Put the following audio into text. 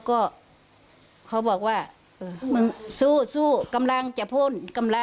แต่เป็นอย่างไรเขาก็